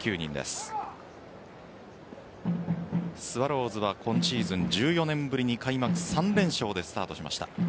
スワローズは今シーズン１４年ぶりに開幕３連勝でスタートしました。